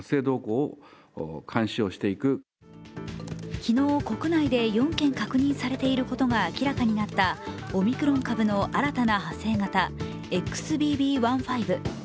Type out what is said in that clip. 昨日、国内で４件確認されていることが明らかになったオミクロン株の新たな派生型ＸＢＢ．１．５。